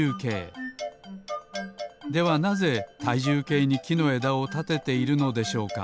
ではなぜたいじゅうけいにきのえだをたてているのでしょうか？